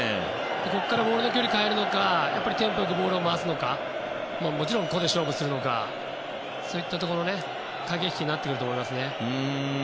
ここからボールの距離を変えるのかテンポ良くボールを回すのかもちろんポゼッションで勝負するのかそういったところの駆け引きになってくると思いますね。